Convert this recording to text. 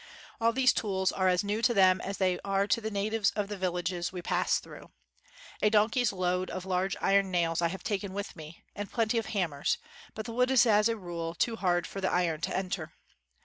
All these tools are as new to them as they are to the natives of the villages we pass through. A donkey's load of large iron nails I have taken with me, and plenty of hammers, but the wood is as a rule too hard for the iron to enter.